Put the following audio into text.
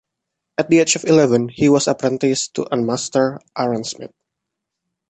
At the age of eleven, he was apprenticed to an master ironsmith.